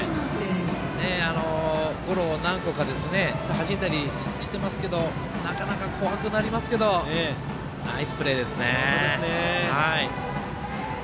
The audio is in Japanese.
ゴロを何個かはじいたりしてますけどなかなか怖くなりますけどナイスプレーですね。